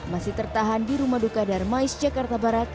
masih tertahan di rumah duka darmais jakarta barat